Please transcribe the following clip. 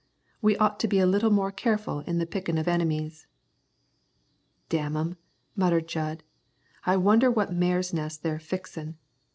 We ought to be a little more careful in the pickin' of enemies." "Damn 'em," muttered Jud, "I wonder what mare's nest they're fixin'.